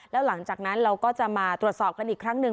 แล้วหลังจากนั้นเราก็จะมาตรวจสอบกันอีกครั้งหนึ่ง